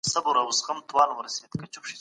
تنکۍ ولسواکي د چا په لاس زندۍ سوه؟